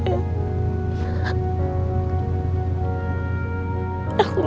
tapi setelah haits dua puluh bangun itu